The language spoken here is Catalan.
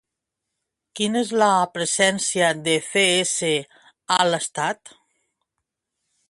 Quina és la presència de Cs a l'Estat?